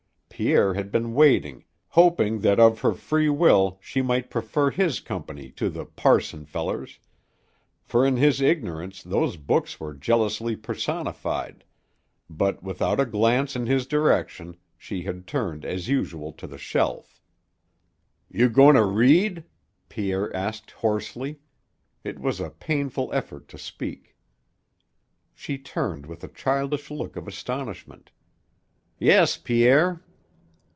Pierre had been waiting, hoping that of her free will she might prefer his company to the "parson feller's" for in his ignorance those books were jealously personified but, without a glance in his direction, she had turned as usual to the shelf. "You goin' to read?" asked Pierre hoarsely. It was a painful effort to speak. She turned with a childish look of astonishment. "Yes, Pierre."